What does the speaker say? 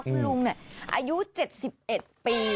คุณลุงอายุ๗๑ปี